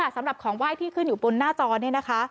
สำหรับของไหว้ที่ขึ้นอยู่บนหน้าจอ